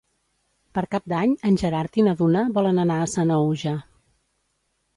Per Cap d'Any en Gerard i na Duna volen anar a Sanaüja.